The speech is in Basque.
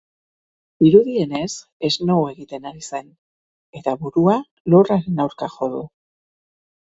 Dirudienez, snow egiten ari zen, eta burua lurraren aurka jo du.